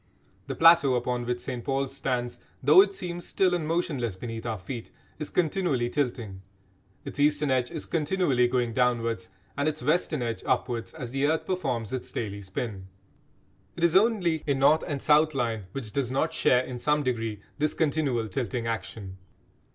The plateau upon which St Paul's stands, though it seems still and motionless beneath our feet, is continually tilting; its eastern edge is continually going downwards and its western edge upwards, as the earth performs its daily spin. It is only a north and south line which does not share in some degree this continual tilting action.